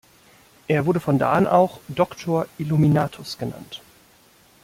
Er wurde von da an auch "Doctor illuminatus" genannt.